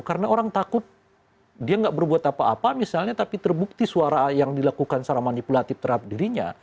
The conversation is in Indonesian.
karena orang takut dia nggak berbuat apa apa misalnya tapi terbukti suara yang dilakukan secara manipulatif terhadap dirinya